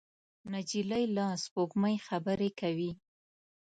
نجلۍ له سپوږمۍ خبرې کوي.